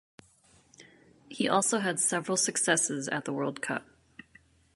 He had also several successes at the World Cup.